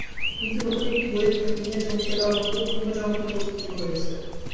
কিন্তু নতুন একটি বইয়ে তাঁকে নিয়ে চমকে যাওয়ার মতো তথ্য দেওয়া হয়েছে।